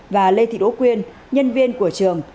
và lê thị đỗ quyên nhân viên của trường